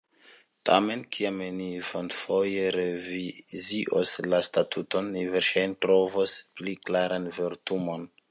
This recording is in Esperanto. Tamen, kiam ni venontfoje revizios la Statuton, ni verŝajne trovos pli klaran vortumon.